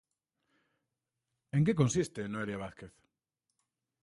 En que consiste, Noelia Vázquez?